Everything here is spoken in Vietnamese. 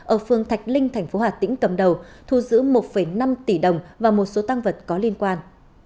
ở phương thạch linh thành phố hà tĩnh cầm đầu thu giữ một năm tỷ đồng và một số tăng vật có liên quan